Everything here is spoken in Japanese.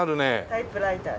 タイプライターです。